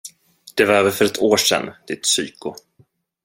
Det var för över ett år sedan, ditt psyko.